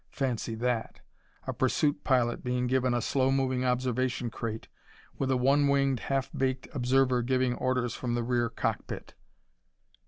Fancy that! A pursuit pilot being given a slow moving observation crate with a one winged, half baked observer giving orders from the rear cockpit!